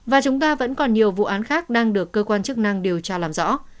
và chúng ta vẫn còn nhiều vụ án khác đang được cơ quan chức năng điều tra làm rõ